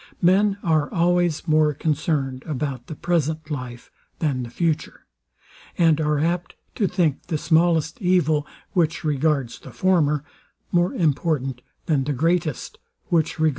Men are always more concerned about the present life than the future; and are apt to think the smallest evil, which regards the former, more important than the greatest, which regards the latter.